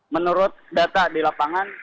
menurut data di lapangan